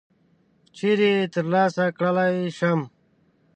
چیري یې ترلاسه کړلای شم ؟